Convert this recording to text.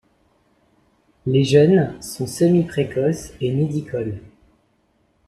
Les jeunes sont semi-précoces et nidicoles.